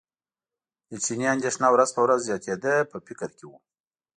د چیني اندېښنه ورځ په ورځ زیاتېده په فکر کې و.